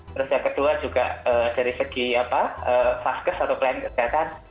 terus yang kedua juga dari segi faskes atau plan kerjaan